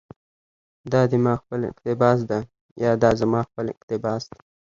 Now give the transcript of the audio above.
دا دي ما خپل اقتباس ده، يا دا زما خپل اقتباس دى